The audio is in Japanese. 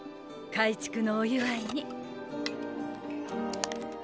改築のお祝いに。